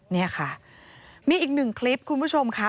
นี่ค่ะมีอีกหนึ่งคลิปคุณผู้ชมค่ะ